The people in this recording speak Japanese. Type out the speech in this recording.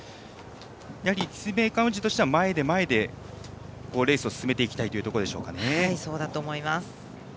やはり立命館宇治としては前で、前でレースを進めていきたいというところでしょうかね。